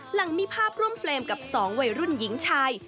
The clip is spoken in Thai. หลังมีภาพร่วมเฟรมกับ๒วัยรุ่นหญิงชาย